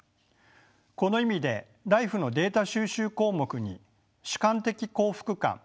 この意味でＬＩＦＥのデータ収集項目に主観的幸福感